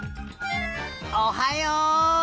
おはよう！